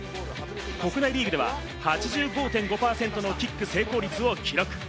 国内リーグでは８５．５％のキック成功率を記録。